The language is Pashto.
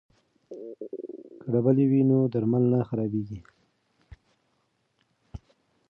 که ډبلي وي نو درمل نه خرابېږي.